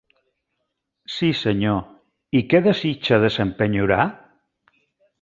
Sí, senyor, i què desitja desempenyorar?